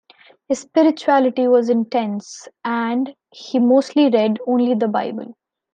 His spirituality was intense, and he mostly read only the Bible.